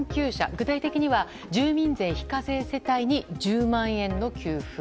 具体的には住民税非課税世帯に１０万円の給付。